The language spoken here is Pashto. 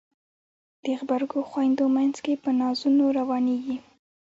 د غبرګو خویندو مینځ کې په نازونو روانیږي